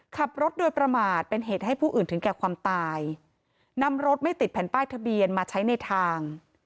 ขับรถโดยประมาทเป็นเหตุให้ผู้อื่นถึงแก่ความตายนำรถไม่ติดแผ่นป้ายทะเบียนมาใช้ในทาง